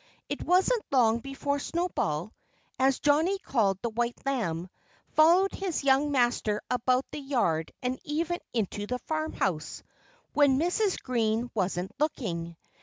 It wasn't long before Snowball, as Johnnie called the white lamb, followed his young master about the yard and even into the farmhouse when Mrs. Green wasn't looking.